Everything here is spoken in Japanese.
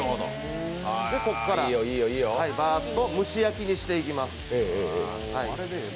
ここからばーっと蒸し焼きにしていきます。